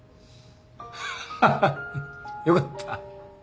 ハハよかった。